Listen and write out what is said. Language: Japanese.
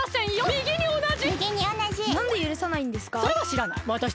みぎにおなじ！